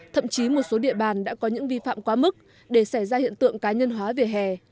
thậm chí một số địa bàn đã có những vi phạm quá mức để xảy ra hiện tượng cá nhân hóa vỉa hè